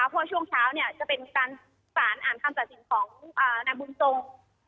เพราะว่าช่วงเช้าเนี่ยจะเป็นการสารอ่านคำตอบสินของนาบุญตรง